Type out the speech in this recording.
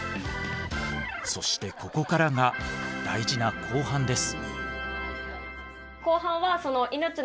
そしてここからが大事な後半です。